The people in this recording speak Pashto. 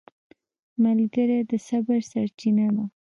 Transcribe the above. ملګری د صبر سرچینه ده